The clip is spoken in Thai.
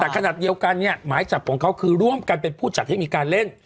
แต่ขนาดเดียวกันเนี่ยหมายจับของเขาคือร่วมกันเป็นผู้จัดให้มีการเล่น